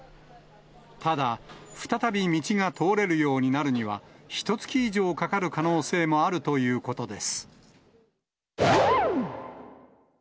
ただ、再び道が通れるようになるには、ひとつき以上かかる可能性もあるということです。